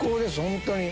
本当に。